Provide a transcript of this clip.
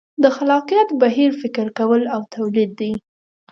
د خلاقیت بهیر فکر کول او تولید دي.